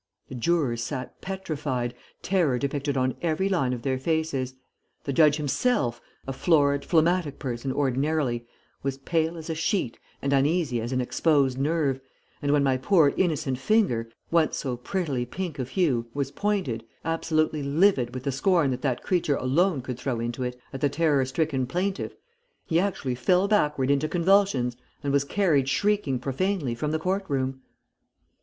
The jurors sat petrified, terror depicted on every line of their faces; the judge himself, a florid, phlegmatic person ordinarily, was pale as a sheet and uneasy as an exposed nerve, and when my poor innocent finger, once so prettily pink of hue, was pointed, absolutely livid with the scorn that that creature alone could throw into it, at the terror stricken plaintiff, he actually fell backward into convulsions, and was carried shrieking profanely from the court room.